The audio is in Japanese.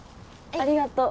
ありがとう。